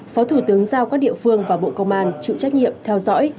phó thủ tướng giao các địa phương và bộ công an chịu trách nhiệm theo dõi